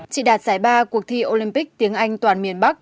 chỉ đạt giải ba cuộc thi olympic tiếng anh toàn miền bắc